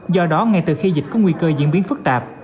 do đó ngay từ khi dịch có nguy cơ diễn biến phức tạp